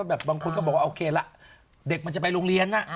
บางคนก็บอกว่าโอเคละเด็กมันจะไปโรงเรียน